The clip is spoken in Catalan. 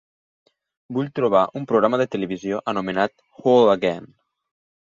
Vull trobar un programa de televisió anomenat Whole Again